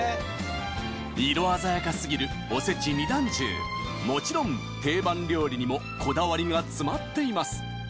色鮮やかすぎるおせち二段重もちろん定番料理にもこだわりが詰まっています